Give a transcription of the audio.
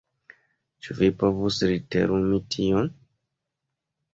Ĉu vi povus literumi tion?